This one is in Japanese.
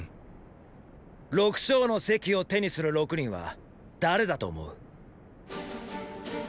六将の席を手にする六人は誰だと思う。